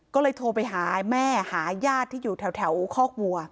ก็เลยโทรไปหาแม่หาญาติที่อยู่แถวคอกวัว